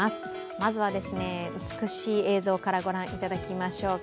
まずは美しい映像から御覧いただきましょうか。